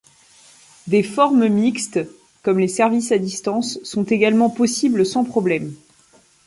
Des formes mixtes, comme les Services à Distance sont également possibles sans problème.